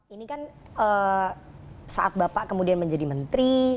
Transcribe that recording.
ini kan saat bapak kemudian menjadi menteri